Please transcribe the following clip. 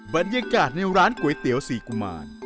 บรรยากาศในร้านก๋วยเตี๋ยวสี่กุมาร